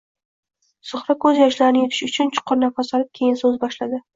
Zuhra ko`z yoshlarini yutish uchun chuqur nafas olib, keyin so`z boshladi